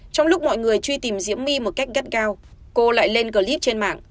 trong lúc mọi người truy tìm diễm my một cách gắt gao cô lại lên clip trên mạng